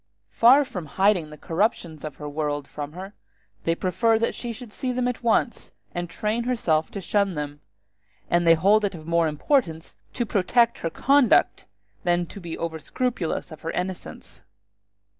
Far from hiding the corruptions of the world from her, they prefer that she should see them at once and train herself to shun them; and they hold it of more importance to protect her conduct than to be over scrupulous of her innocence.